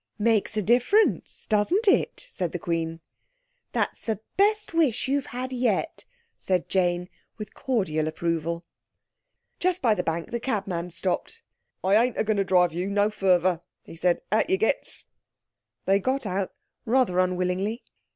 "Makes a difference, doesn't it?" said the Queen. "That's the best wish you've had yet," said Jane with cordial approval. Just by the Bank the cabman stopped. "I ain't agoin' to drive you no further," he said. "Out you gets." They got out rather unwillingly.